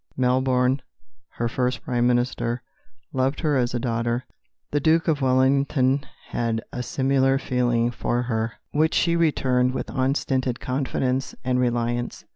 Melbourne, her first Prime Minister, loved her as a daughter; the Duke of Wellington had a similar feeling for her, which she returned with unstinted confidence and reliance.